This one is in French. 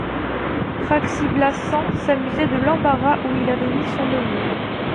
Praxi-Blassans s'amusait de l'embarras où il avait mis son neveu.